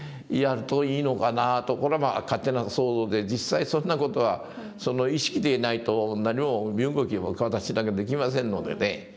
これはまあ勝手な想像で実際そんな事はその意識でいないと何も身動きも私なんかできませんのでね